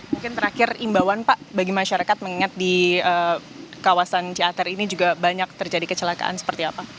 mungkin terakhir imbauan pak bagi masyarakat mengingat di kawasan ciater ini juga banyak terjadi kecelakaan seperti apa